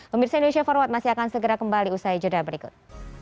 pemirsa indonesia forward masih akan segera kembali usai jeda berikut